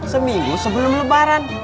seminggu sebelum lebaran